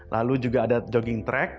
lalu juga ada jogging track